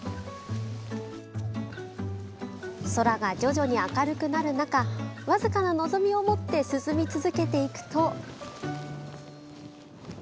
空が徐々に明るくなる中僅かな望みを持って進み続けていくと。